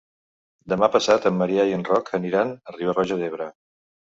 Demà passat en Maria i en Roc aniran a Riba-roja d'Ebre.